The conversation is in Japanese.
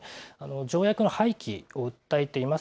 条約の廃棄を訴えています